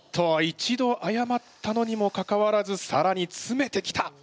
一度あやまったのにもかかわらずさらにつめてきた。